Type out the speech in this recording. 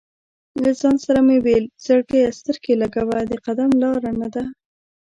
له ځان سره مې ویل: "زړګیه سترګې لګوه، د قدم لاره نه ده".